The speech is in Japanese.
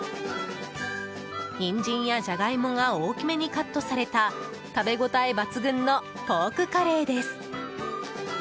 ニンジンやジャガイモが大きめにカットされ食べ応え抜群のポークカレーです。